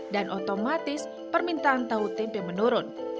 dan otomatis permintaan tahu dan tempe menurun